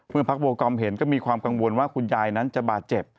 พักโบกอมเห็นก็มีความกังวลว่าคุณยายนั้นจะบาดเจ็บ